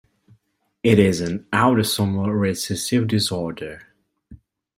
It is an autosomal recessive disorder.